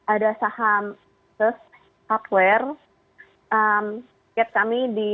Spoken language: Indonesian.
ada saham hes hardware target kami di rp lima ratus sembilan puluh lima enam ratus